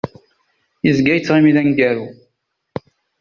Yezga yettɣimi d aneggaru.